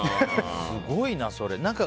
すごいな、それ。